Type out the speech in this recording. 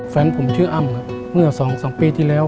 แฟนผมชื่ออ้ำครับเมื่อสองสามปีที่แล้ว